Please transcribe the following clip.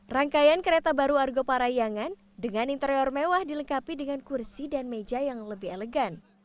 rangkaian kereta baru argo parayangan dengan interior mewah dilengkapi dengan kursi dan meja yang lebih elegan